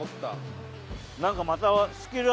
なんかまた。